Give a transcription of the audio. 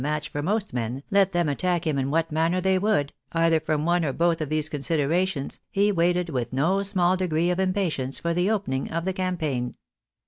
match for most men, let them attack him in what manner they ■would, either from one or both of these considerations, he waited with no small degree of impatience for the opening of the cam paign.